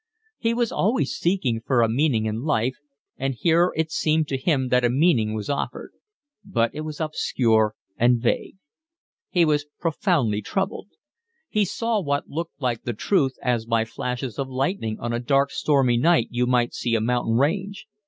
He was always seeking for a meaning in life, and here it seemed to him that a meaning was offered; but it was obscure and vague. He was profoundly troubled. He saw what looked like the truth as by flashes of lightning on a dark, stormy night you might see a mountain range.